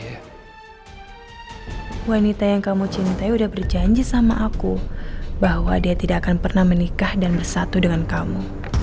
wanita yang kamu cintai udah berjanji sama aku bahwa dia tidak akan pernah menikah dan bersatu dengan kamu